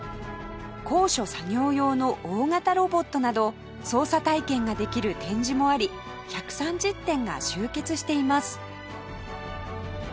高所作業用の大型ロボットなど操作体験ができる展示もあり１３０点が集結しています